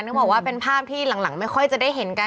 ต้องบอกว่าเป็นภาพที่หลังไม่ค่อยจะได้เห็นกัน